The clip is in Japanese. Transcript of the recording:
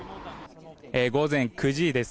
午前９時です。